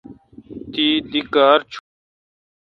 تی دی کار چیون۔